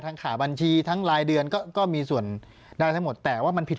ขาบัญชีทั้งรายเดือนก็มีส่วนได้ทั้งหมดแต่ว่ามันผิด